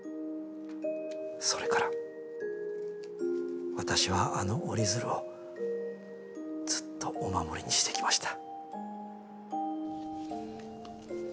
それから私はあの折り鶴をずっとお守りにしてきました。